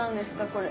これ。